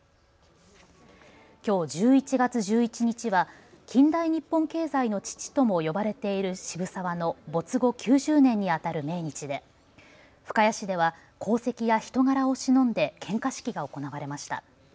きょう１１月１１日は近代日本経済の父とも呼ばれている渋沢の没後９０年にあたる命日で深谷市では功績や人柄をしのんで献花式が行われました。